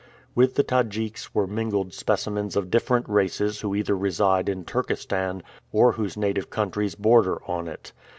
With the Tadjiks were mingled specimens of different races who either reside in Turkestan or whose native countries border on it.